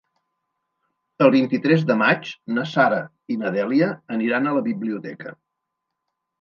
El vint-i-tres de maig na Sara i na Dèlia aniran a la biblioteca.